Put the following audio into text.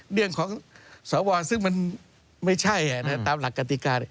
เรื่องของสวซึ่งมันไม่ใช่ตามหลักกติกา